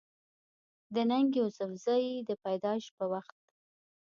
د ننګ يوسفزۍ د پېدايش پۀ وخت